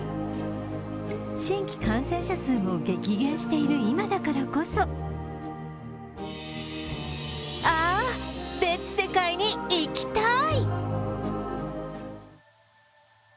新規感染者数も激減している今だからこそあ、別世界に行きたい！